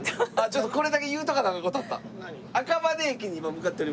ちょっとこれだけ言うとかなアカン事あった。